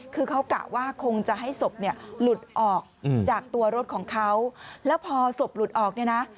คือเขากะว่าคงจะให้ศพเนี่ยหลุดออกจากตัวรถของเขาแล้วพอศพหลุดออกเนี่ยนะ